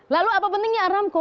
lalu apa pentingnya aramco